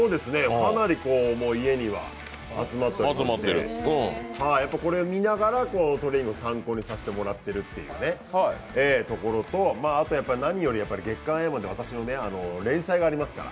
かなり家には集まっていまして、これ見ながらトレーニングの参考にさせてもらっているところとあと何より月刊「ＩＲＯＮＭＡＮ」で私の連載がありますから。